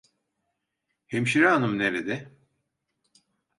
Hemşire hanım nerede?